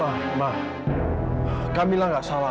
ma ma kamila nggak salah